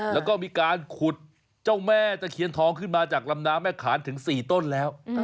แล้วก็มีการขุดเจ้าแม่ตะเคียนทองขึ้นมาจากลำน้ำแม่ขานถึง๔ต้นแล้ว